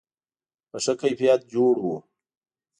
په ښه کیفیت جوړ و.